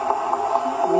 お！